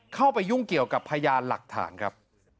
เข้าไปยุ่งเกี่ยวกับพยานหลักฐานครับ